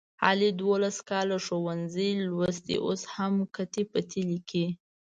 علي دوولس کاله ښوونځی لوستی اوس هم کتې پتې لیکي.